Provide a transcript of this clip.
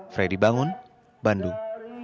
fredy bangun bandung